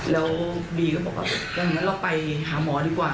แล้วบีก็บอกว่าอย่างนั้นเราไปหาหมอดีกว่า